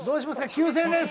９０００円です。